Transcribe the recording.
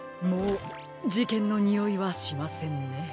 もうじけんのにおいはしませんね。